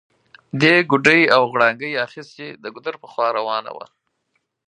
دې ګوډی او غړانګۍ اخيستي، د ګودر پر خوا روانه وه